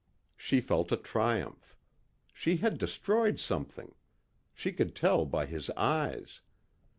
She felt a triumph. She had destroyed something. She could tell by his eyes.